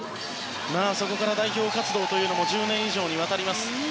そこから代表活動も１０年以上にわたります。